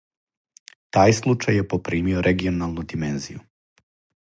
Тај случај је попримио регионалну димензију.